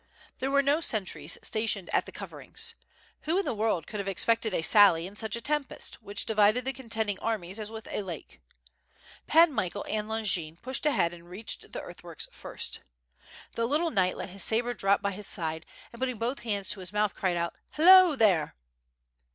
There were no sentries stationed at the coverings. Who in the world could have expected a sally in such a tempest, which divided the contending armies as with a lake. Pan Michael and Longin pushed ahead and reached the earthworks first. The little knight let his sabre drop by his side, and putting both hands to his mouth cried out "Hello! there."